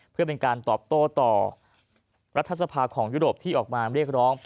เพื่อเป็นการตอบโต้ต่อรัฐสภาของยุโรปที่ออกมาเรียกร้อง